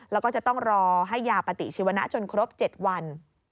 แล้วก็จะต้องรอให้ยาปฏิชีวนะจนครบ๗วัน